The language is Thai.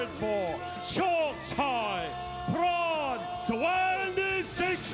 ตอนนี้มวยกู้ที่๓ของรายการ